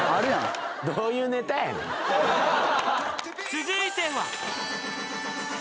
［続いては］